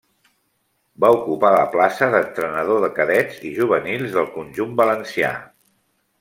Va ocupar la plaça d'entrenador de cadets i juvenils del conjunt valencià.